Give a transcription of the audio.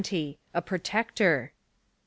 A PROTECTOR. an